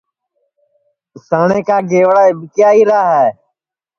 اُساٹؔے کا گئوڑا اِٻکے آئیرا ہے